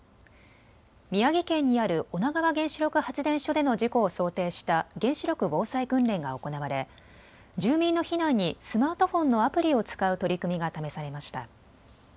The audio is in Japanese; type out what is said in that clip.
宮城県にある女川原子力発電所での事故を想定した原子力防災訓練が行われ住民の避難にスマートフォンのアプリを使う取り組みが試されました。